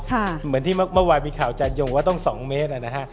ค่ะเหมือนที่เมื่อวายมีข่าวจารย์ยงว่าต้องสองเมตรอะนะฮะ